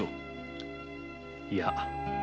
いや。